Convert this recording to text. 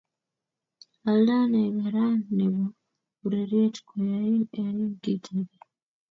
olda ne karan nebo ureriet koyain iek kit age